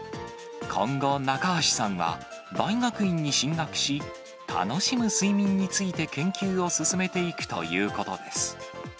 今後、中橋さんは大学院に進学し、楽しむ睡眠について研究を進めていくということです。